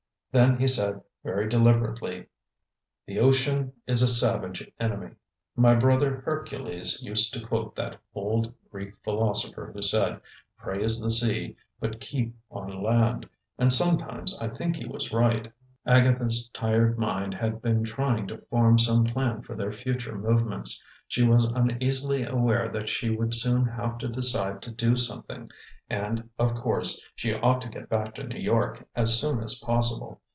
Then he said, very deliberately: "The ocean is a savage enemy. My brother Hercules used to quote that old Greek philosopher who said, 'Praise the sea, but keep on land.' And sometimes I think he was right." Agatha's tired mind had been trying to form some plan for their future movements. She was uneasily aware that she would soon have to decide to do something; and, of course, she ought to get back to New York as soon as possible.